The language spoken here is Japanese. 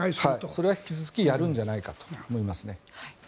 それは引き続きやるんじゃないかと思います。